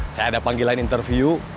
saya ada panggilan interview